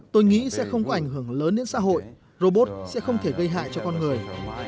tôi nghĩ sẽ không có ảnh hưởng lớn đến xã hội robot sẽ không thể gây hại cho con người